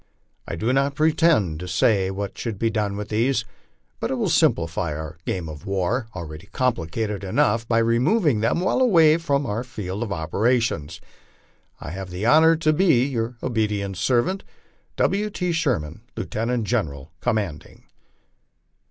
I do not pretend to say what should be done with these, but it will simplify our game of war, already complicated enough, by removing them well away from our field of operations. I have the honor to be, your obedient servant, (Signed) W. T. SHERMAN, Lieutenant General, commanding.